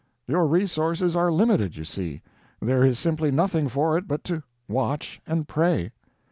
Your resources are limited, you see. There is simply nothing for it but to watch and pray.